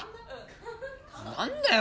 何だよ！？